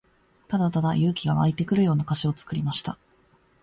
ただただ勇気が湧いてくるような歌詞を作りました。